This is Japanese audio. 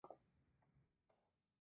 ああ